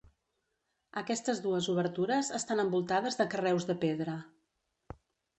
Aquestes dues obertures estan envoltades de carreus de pedra.